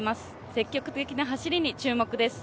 積極的な走りに注目です。